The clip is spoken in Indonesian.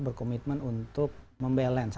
berkomitmen untuk membalance